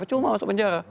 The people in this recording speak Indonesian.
cuma masuk penjara